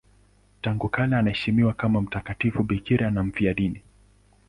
Tangu kale anaheshimiwa kama mtakatifu bikira na mfiadini.